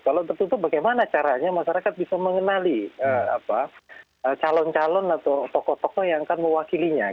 kalau tertutup bagaimana caranya masyarakat bisa mengenali calon calon atau tokoh tokoh yang akan mewakilinya